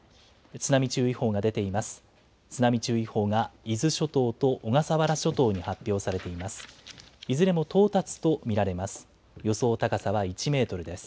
津波注意報が伊豆諸島と小笠原諸島に発表されています。